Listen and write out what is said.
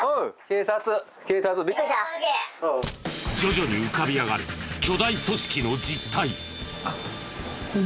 徐々に浮かび上がる巨大組織の実態。